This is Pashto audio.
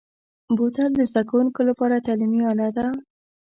بوتل د زده کوونکو لپاره تعلیمي اله ده.